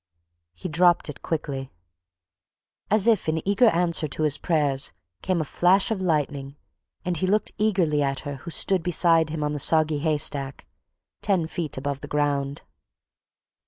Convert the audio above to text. He dropped it quickly. As if in answer to his prayers came a flash of lightning and he looked eagerly at her who stood beside him on the soggy haystack, ten feet above the ground.